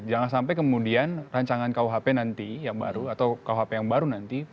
jangan sampai kemudian rancangan kuhp nanti yang baru atau kuhp yang baru nanti